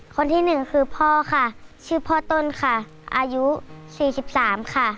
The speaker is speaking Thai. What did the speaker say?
คนที่หนึ่งคือพ่อค่ะชื่อพ่อต้นค่ะอายุ๔๓ค่ะ